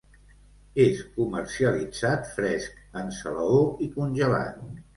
És comercialitzat fresc, en salaó i congelat.